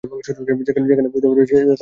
যেখানে পৌঁছতে পারবে না তার আশা করছো!